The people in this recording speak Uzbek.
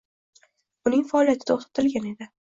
Uning faoliyati toʻxtatilgan edi